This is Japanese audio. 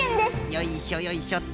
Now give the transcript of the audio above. よいしょよいしょっと。